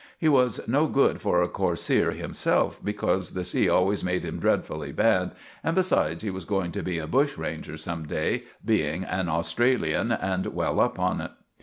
He was no good for a coarseer himself, becorse the sea always made him dredfully bad, and, besides, he was going to be a bushranger some day, being an Australian and well up in it.